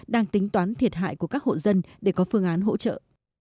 đang tính toán thiệt hại của các hộ dân để có phương án hỗ trợ